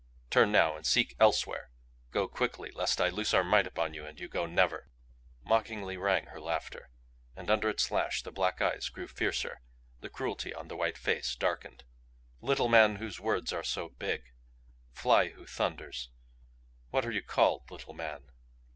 Turn now and seek elsewhere. Go quickly, lest I loose our might upon you and you go never." Mockingly rang her laughter and under its lash the black eyes grew fiercer, the cruelty on the white face darkened. "Little man whose words are so big! Fly who thunders! What are you called, little man?"